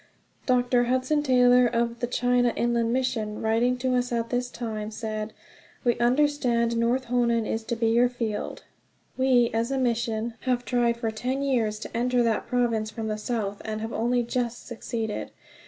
Dr. Hudson Taylor, of the China Inland Mission, writing to us at this time, said: "We understand North Honan is to be your field; we, as a mission, have tried for ten years to enter that province from the south, and have only just succeeded.